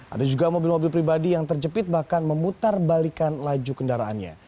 ada juga mobil mobil pribadi yang terjepit bahkan memutar balikan laju kendaraannya